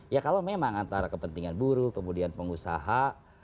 ya kalau memang antara kepentingan buruh kemudian pengusaha